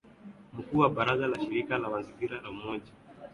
mkuu wa baraza la shirika la mazingira la Umoja wa